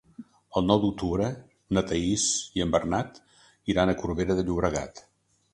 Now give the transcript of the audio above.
El nou d'octubre na Thaís i en Bernat iran a Corbera de Llobregat.